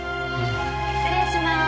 失礼します。